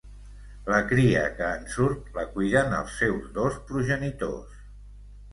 La cria que en surt la cuiden els seus dos progenitors.